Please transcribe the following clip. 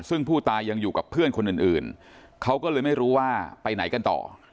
ซึ่งผู้ตายยังอยู่กับเพื่อนคนอื่นเขาก็เลยไม่รู้ว่าไปไหนกันต่อ